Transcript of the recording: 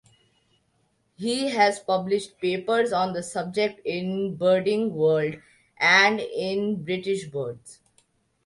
He has published papers on this subject in Birding World and in British Birds.